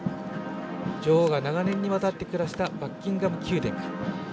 女王が長年にわたって暮らしたバッキンガム宮殿。